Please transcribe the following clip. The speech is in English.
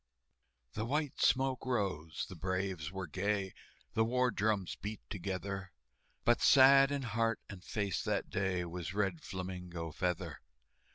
The white smoke rose, the braves were gay, The war drums beat together, But sad in heart and face that day Was Red Flamingo Feather.